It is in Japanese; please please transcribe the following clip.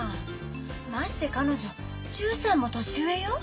まして彼女１３も年上よ。